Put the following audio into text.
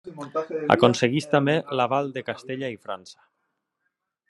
Aconsegueix també l'aval de Castella i França.